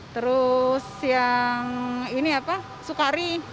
terus yang ini apa sukari